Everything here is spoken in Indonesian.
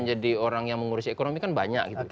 jadi orang yang mengurus ekonomi kan banyak gitu